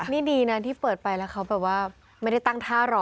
นี่ดีนะที่เปิดไปแล้วเขาแบบว่าไม่ได้ตั้งท่ารอ